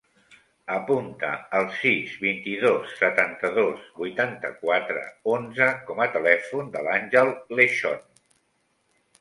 Apunta el sis, vint-i-dos, setanta-dos, vuitanta-quatre, onze com a telèfon de l'Àngel Lechon.